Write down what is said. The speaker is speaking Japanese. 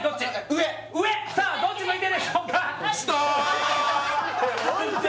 上さあどっち向いてるでしょうかこれ本当？